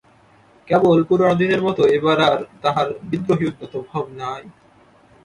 কেবল পুরানো দিনের মতো এবার আর তাহার বিদ্রোহী উদ্ধত ভাব নাই।